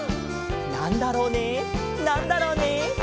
「なんだろうねなんだろうね」